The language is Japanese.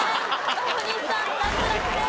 大西さん脱落です。